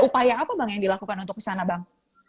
upaya apa bang yang dilakukan untuk kesana bang